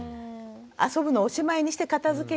遊ぶのをおしまいにして片づけようねって。